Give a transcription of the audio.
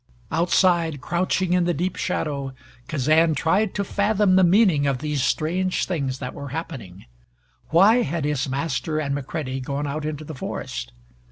Outside, crouching in the deep shadow, Kazan tried to fathom the meaning of these strange things that were happening. Why had his master and McCready gone out into the forest?